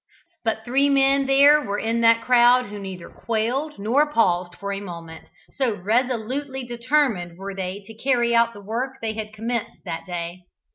But three men there were in that crowd who neither quailed nor paused for a moment, so resolutely determined were they to carry out the work they had commenced that day.